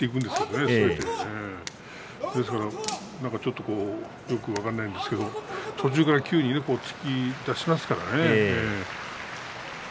ですからちょっとよく分からないんですけど途中から急に突き出しますからね。